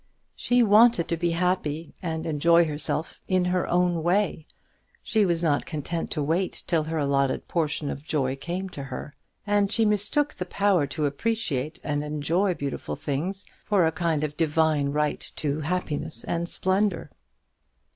She wanted to be happy, and enjoy herself in her own way. She was not content to wait till her allotted portion of joy came to her; and she mistook the power to appreciate and enjoy beautiful things for a kind of divine right to happiness and splendour.